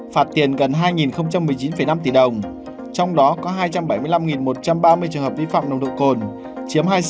phạt tiền gần hai một mươi chín năm tỷ đồng trong đó có hai trăm bảy mươi năm một trăm ba mươi trường hợp vi phạm nồng độ cồn chiếm hai mươi sáu